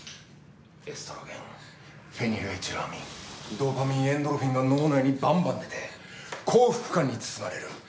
エストロゲンフェニルエチルアミンドーパミンエンドルフィンが脳内にバンバン出て幸福感に包まれる。